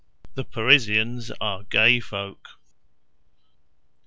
The Parisians are gay folk.